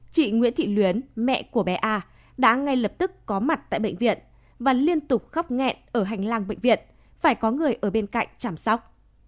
chị nguyễn thị luyến mẹ của bé a đã ngay lập tức có mặt tại bệnh viện và liên tục khóc nghẹn ở hành lang bệnh viện phải có người ở bên cạnh chăm sóc